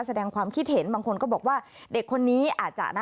แสดงความคิดเห็นบางคนก็บอกว่าเด็กคนนี้อาจจะนะ